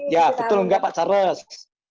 ya betul enggak pak charles